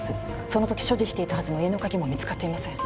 その時所持していたはずの家の鍵も見つかっていません